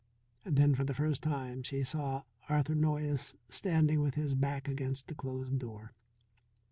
Then, for the first time, she saw Arthur Noyes standing with his back against a closed door.